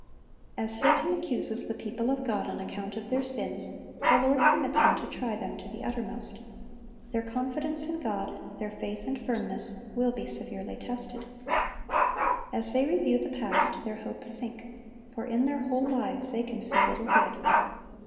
As Satan accuses the people of God on account of their sins, the Lord permits him to try them to the uttermost. Their confidence in God, their faith and firmness, will be severely tested. As they review the past, their hopes sink; for in their whole lives they can see little good.